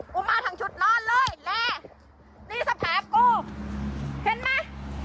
กูมาทางชุดนอนเลยแลนี่สะแผบกูเห็นไหม